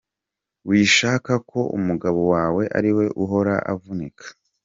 Wishaka ko umugabo wawe ariwe uhora avunika.